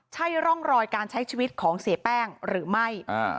ใช่ร่องรอยการใช้ชีวิตของเสียแป้งหรือไม่